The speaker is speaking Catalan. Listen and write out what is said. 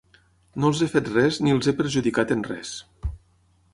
No els he fet res ni els he perjudicat en res.